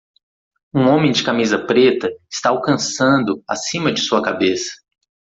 Um homem de camisa preta está alcançando acima de sua cabeça.